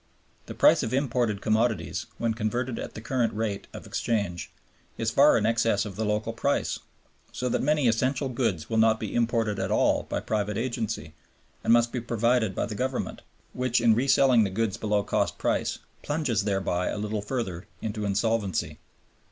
The price of imported commodities, when converted at the current rate of exchange, is far in excess of the local price, so that many essential goods will not be imported at all by private agency, and must be provided by the government, which, in re selling the goods below cost price, plunges thereby a little further into insolvency.